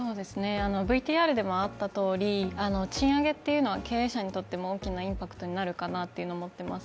ＶＴＲにもあったとおり賃上げっていうのは経営者にとっても大きなインパクトになるかなと思ってます。